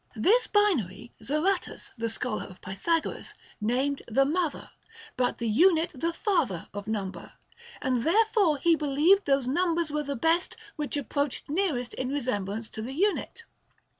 This binary Zaratas, the scholar of Pythagoras, named the mother, but the unit the father of number ; and therefore he believed those numbers were the best which approached nearest in resemblance to the unit.